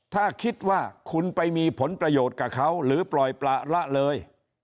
ถ้าคิดว่าคุณไปมีผลประโยชน์กับเขาหรือปล่อยประละเลย